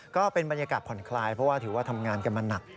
ก็เป็นบรรยากาศผ่อนคลายเพราะว่าถือว่าทำงานกันมาหนัก